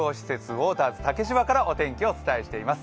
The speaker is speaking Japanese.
ウォーターズ竹芝からお天気をお伝えしています。